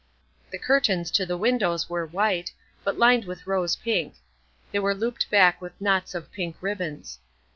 The curtains to the windows were white, but lined with rose pink; they were looped back with knots of pink ribbons.